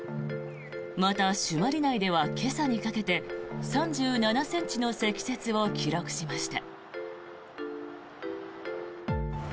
また、朱鞠内では今朝にかけて３７ｃｍの積雪を記録しました。